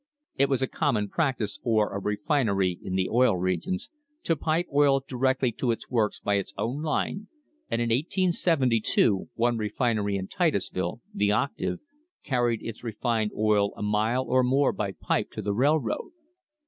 It was a common practice for a refinery in the Oil Regions to pipe oil directly to its works by its own line, and in 1872 one refinery in Titusville, the Octave, carried its refined oil a mile or more by pipe to the railroad.